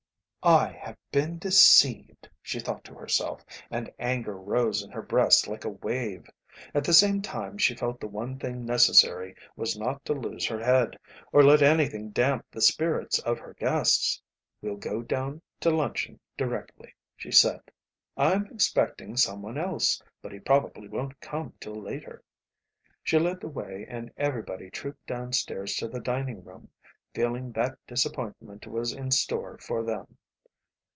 "I have been deceived," she thought to herself, and anger rose in her breast like a wave. At the same time she felt the one thing necessary was not to lose her head, or let anything damp the spirits of her guests. "We'll go down to luncheon directly," she said. "I'm expecting some one else, but he probably won't come till later." She led the way and everybody trooped downstairs to the dining room, feeling that disappointment was in store for them.